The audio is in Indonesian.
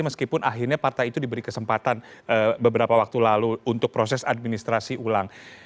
meskipun akhirnya partai itu diberi kesempatan beberapa waktu lalu untuk proses administrasi ulang